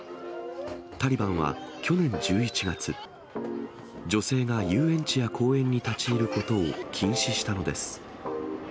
タリバンは去年１１月、女性が遊園地や公園に立ち入ることを禁止したのです。